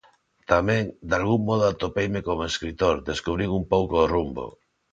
Tamén, "dalgún modo atopeime como escritor, descubrín un pouco o rumbo".